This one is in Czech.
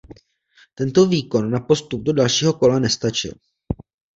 Tento výkon na postup do dalšího kola nestačil.